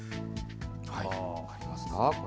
分かりますか、これ。